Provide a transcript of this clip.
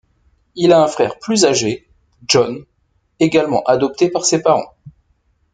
Il a un frère plus âgé, John, également adopté par ses parents.